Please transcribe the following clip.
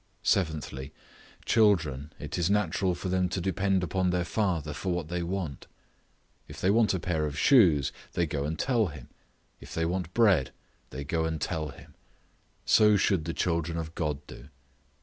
Seventhly, Children, it is natural for them to depend upon their father for what they want. If they want a pair of shoes, they go and tell him; if they want bread, they go and tell him; so should the children of God do.